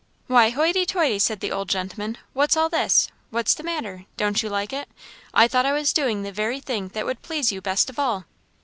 "Why, hoity toity!" said the old gentleman "what's all this? what's the matter? don't you like it? I thought I was doing the very thing that would please you best of all."